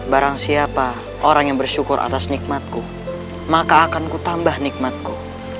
barang siapa orang yang bersyukur atas nikmatku maka akanku tambah nikmatku